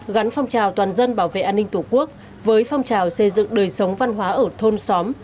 gắn phong trào toàn dân bảo vệ an ninh tổ quốc với phong trào xây dựng đời sống văn hóa ở thôn xóm